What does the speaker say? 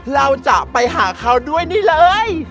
เราจะไปหาเขาด้วยนี่เลย